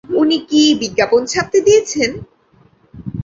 উনি কি বিজ্ঞাপন ছাপতে দিয়েছেন?